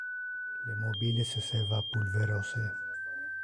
Le mobiles esseva pulverose.